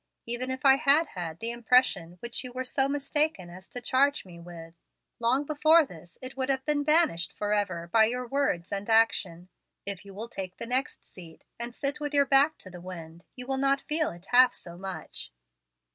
Even if I had had the impression which you were so mistaken as to charge me with, long before this it would have been banished forever by your words and action. If you will take the next seat, and sit with your back to the wind, you will not feel it half so much."